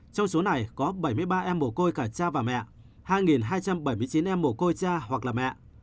trong số này có bảy mươi ba em mồ côi cả cha và mẹ hai hai trăm bảy mươi chín em mồ côi cha hoặc mẹ